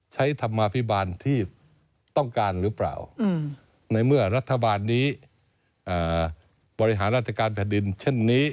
ธรรมาภิบาลที่ต้องการหรือเปล่าในเมื่อรัฐบาลนี้บริหารราชการแผ่นดินเช่นนี้